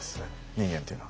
人間っていうのは。